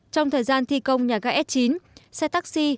trong thời gian thi công nhà ga s chín xe taxi